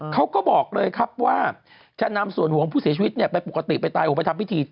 เขาบอกเลยครับว่าจะนำส่วนห่วงผู้เสียชีวิตไปปกติไปตายออกไปทำพิธี